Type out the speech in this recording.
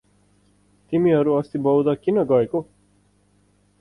तिमीहरु अस्ति बौद्द किन गएको?